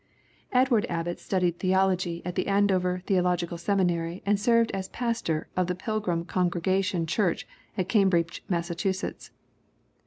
Edward Abbott studied theology at the Andover Theological Seminary and served as pastor of the Pilgrim Con gregational Church at Cambridge, Massachusetts.